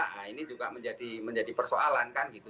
nah ini juga menjadi persoalan kan gitu